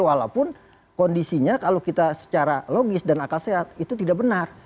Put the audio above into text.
walaupun kondisinya kalau kita secara logis dan akal sehat itu tidak benar